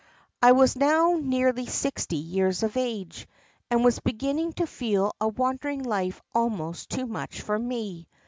"I was now nearly sixty years of age, and was beginning to feel a wandering life almost too much for me.